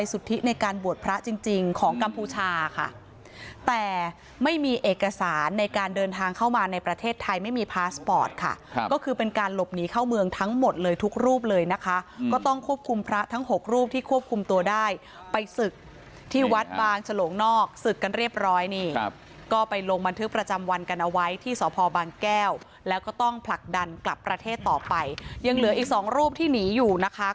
ศาลในการเดินทางเข้ามาในประเทศไทยไม่มีพาสปอร์ตค่ะก็คือเป็นการหลบหนีเข้าเมืองทั้งหมดเลยทุกรูปเลยนะคะก็ต้องควบคุมพระทั้ง๖รูปที่ควบคุมตัวได้ไปศึกที่วัดบางฉลงนอกศึกกันเรียบร้อยนี่ก็ไปลงบันทึกประจำวันกันเอาไว้ที่ศพบางแก้วแล้วก็ต้องผลักดันกลับประเทศต่อไปยังเหลืออีก